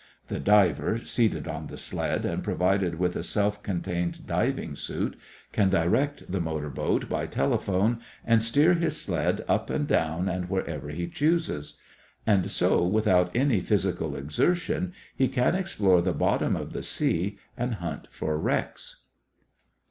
The diver, seated on the sled, and provided with a self contained diving suit, can direct the motor boat by telephone and steer his sled up and down and wherever he chooses. And so without any physical exertion, he can explore the bottom of the sea and hunt for wrecks.